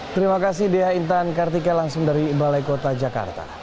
terima kasih dea intan kartike langsung dari balai kota jakarta